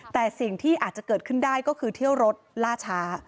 แต่สิ่งที่อาจจะเกิดขึ้นได้ก็คือเที่ยวรถล่าช้า